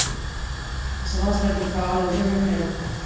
ځغاسته د فعاله ژوند نښه ده